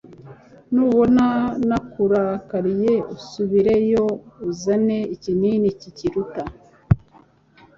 nubona nakurakariye, usubireyo uzane ikinini kikiruta